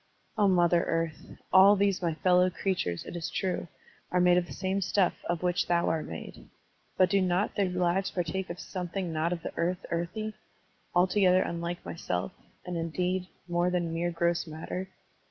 O Mother Earth! All these my fellow crea tures, it is true, are made of the same stuff of which thou art made. But do not their lives partake of something not of the earth earthy, altogether tmUke thyself, and, indeed, more than mere gross matter?